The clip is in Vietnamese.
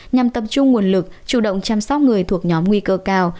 nhằm tập trung nguồn lực chủ động chăm sóc người thuộc nhóm nguy cơ cao